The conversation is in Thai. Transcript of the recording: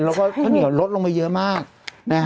แล้วก็ข้าวเหนียวลดลงไปเยอะมากนะฮะ